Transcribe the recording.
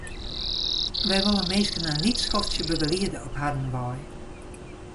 Wy wolle minsken in lyts skoftsje begeliede op harren wei.